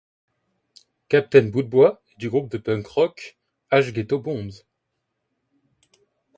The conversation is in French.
Captain Bootbois, et du groupe de punk rock H-Ghetto Bombs.